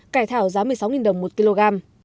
cải thảo giá một mươi sáu đồng một kg